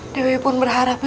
dewi pun berharapnya